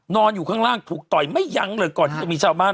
นอนอยู่ข้างล่างถูกต่อยไม่ยั้งเลยก่อนที่จะมีชาวบ้าน